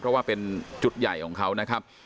เพราะว่าเป็นจุดใหญ่ของเขานะครับ